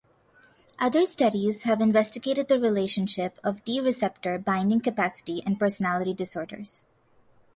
Other studies have investigated the relationship of D receptor binding capacity and personality disorders.